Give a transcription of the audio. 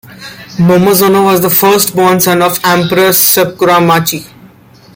Momozono was the firstborn son of Emperor Sakuramachi.